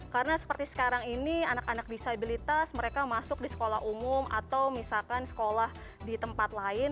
karena seperti sekarang ini anak anak disabilitas mereka masuk di sekolah umum atau misalkan sekolah di tempat lain